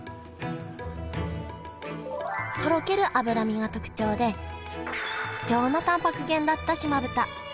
とろける脂身が特徴で貴重なタンパク源だった島豚。